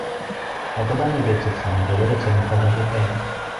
我覺得你哋直情係做咗個正確嘅決定